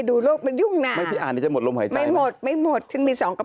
บริเวณภาคกลางรวมทั้งกรุงเทพฯและปริมนตนนะคะ